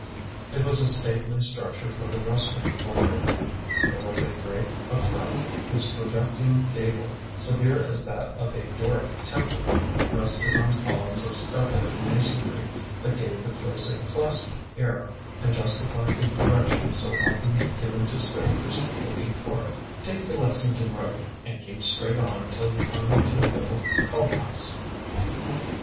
It was a stately structure for the western border. There was a great upright whose projecting gable, severe as that of a Doric temple, rested on columns of stuccoed ma sonry that gave the place a classic air and justified the direction so often given to strangers looking for it, " Take the Lexington road, and keep straight on till you come to a little co't house.'